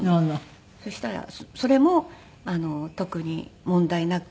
そしたらそれも特に問題なくて。